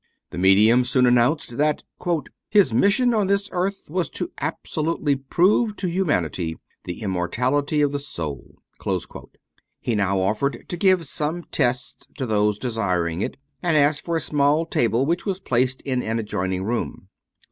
The medium soon announced that " his mission on this earth was to absolutely prove to humanity the immortality of the soul." He now offered to give some tests to those desiring it, and asked for a small table which was placed in an adjoining room.